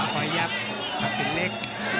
ปล่อยยับขับถึงเล็ก